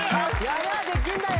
やりゃあできんだよ！